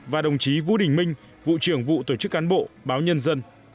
và đồng chí vũ đình minh vụ trưởng vụ tổ chức cán bộ báo nhân dân